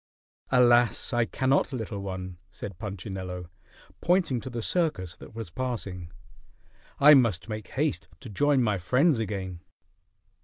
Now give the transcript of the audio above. "Alas! I cannot, little one," said Punchinello, pointing to the circus that was passing. "I must make haste to join my friends again."